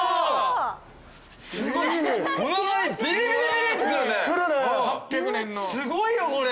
すごいよこれ。